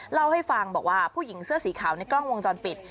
เล่าให้ฟังบอกว่าผู้หญิงเสื้อสีขาวในกล้องวงจรปิด